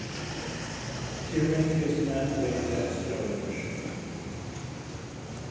During his mandate as Doge.